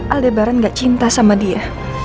aldebaran gak cinta sama dia